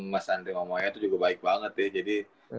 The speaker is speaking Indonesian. mas andre momoya itu juga baik banget ya jadi